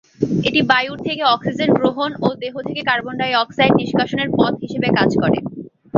এটি বায়ুর থেকে অক্সিজেন গ্রহণ ও দেহ থেকে কার্বন-ডাই-অক্সাইড নিষ্কাশনের পথ হিসাবে কাজ করে।